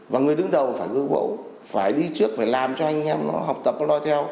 và người đứng đầu phải gương mẫu phải đi trước phải làm cho anh em nó học tập nó lo theo